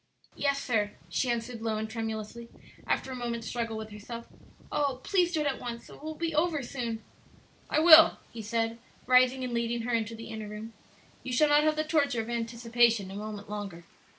"Yes, sir," she answered, low and tremulously, after a moment's struggle with herself. "Oh, please do it at once, so it will be over soon!" "I will," he said, rising and leading her into the inner room; "you shall not have the torture of anticipation a moment longer."